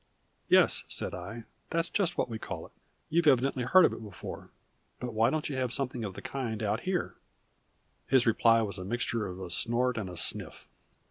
"Yes," said I; "that's just what we call it. You've evidently heard of it before but why don't you have something of the kind out here?" His reply was a mixture of a snort and a sniff.